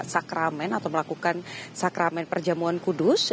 sakramen atau melakukan sakramen perjamuan kudus